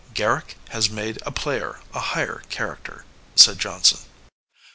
Garrick has made a player a higher character,*' said Johnson.